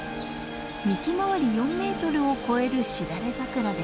幹回り４メートルを超えるしだれ桜です。